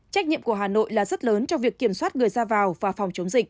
trách nhiệm của hà nội là rất lớn trong việc kiểm soát người ra vào và phòng chống dịch